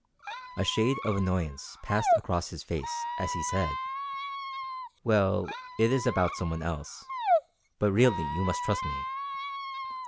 A shade of annoyance passed across his face as he said: "Well, it is about some one else; but really you must trust me.